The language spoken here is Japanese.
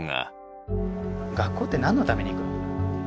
学校って何のために行くの？